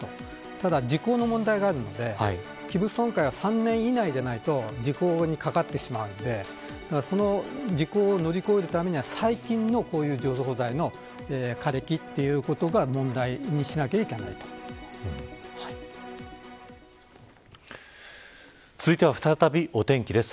ただ時効の問題があるので器物損壊は３年以内でないと時効にかかってしまうのでその時効を乗り越えるためには最近の除草剤の枯れ木というところを続いては再びお天気です。